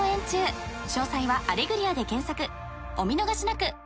お見逃しなく！］